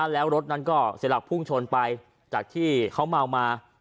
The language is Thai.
แล้วรถนั้นก็เสร็จหลักพรุ่งชนไปจากที่เขาเมามาแล้วก็ตกไปข้างล่าง